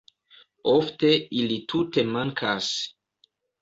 Ofte ili tute mankas.